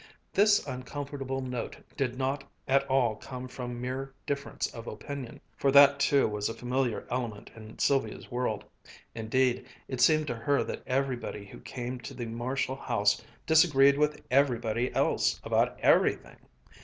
This uncomfortable note did not at all come from mere difference of opinion, for that too was a familiar element in Sylvia's world. Indeed, it seemed to her that everybody who came to the Marshall house disagreed with everybody else about everything.